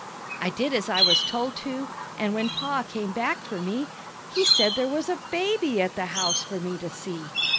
I did as I was told to, an' when Pa came back for me He said there was a baby at the house for me to see.